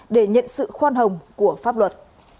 để nhận sự khoan hồng của pháp luật